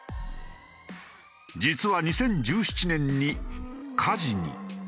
実は２０１７年に火事に。